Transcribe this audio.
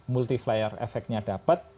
multi flyer efeknya dapat